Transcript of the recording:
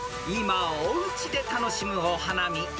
［今おうちで楽しむお花見］